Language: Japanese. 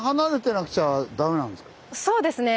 そうですね。